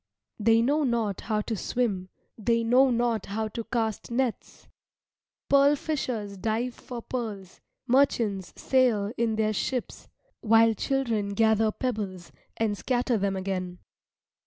They know not how to swim, they know not how to cast nets. Pearl fishers dive for pearls, merchants sail in their ships, while children gather pebbles and scatter them again.